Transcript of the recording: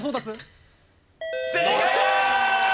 正解だ！